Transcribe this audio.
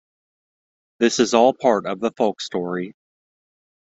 "This is all part of the folk story."